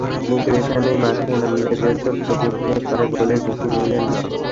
কিন্তু এখনই মাঠে নামলে বৃহত্তর ক্ষতি হতে পারে বলেই ঝুঁকি নিলেন না।